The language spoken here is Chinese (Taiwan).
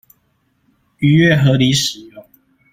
逾越合理使用